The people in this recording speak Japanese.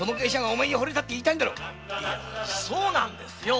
そうなんですよ。